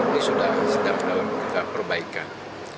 ini sudah sedang dalam perbaikan